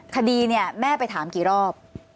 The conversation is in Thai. คดีเนี่ยแม่ไปถามกี่รอบ